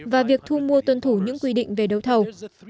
và việc thu mua tuân thủ những quy định về đấu thầu